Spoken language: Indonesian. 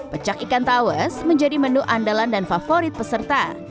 pecak ikan tawes menjadi menu andalan dan favorit peserta